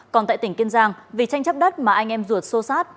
còn tại tỉnh kiên giang vì tranh chấp đất mà anh em ruột sô sát